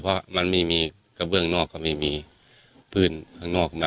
เพราะมันไม่มีกระเบื้องนอกก็ไม่มีพื้นข้างนอกนะ